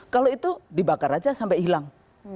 kalau itu dibakar aja sampai hilang